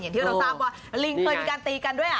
อย่างที่เราทราบว่าลิงเคยมีการตีกันด้วย